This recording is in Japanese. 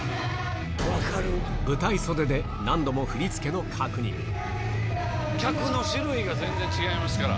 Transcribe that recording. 舞台袖で何度も振り付けの確認客の種類が全然違いますから。